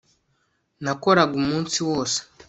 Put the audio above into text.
nakoraga umunsi wose